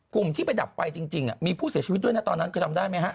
กลุ่มที่ไปดับไฟจริงมีผู้เสียชีวิตด้วยนะตอนนั้นเคยจำได้ไหมฮะ